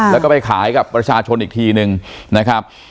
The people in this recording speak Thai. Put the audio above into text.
แล้วก็ไปขายกับประชาชนอีกทีนึงนะครับ